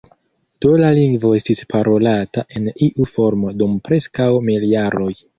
Do la lingvo estis parolata en iu formo dum preskaŭ mil jaroj.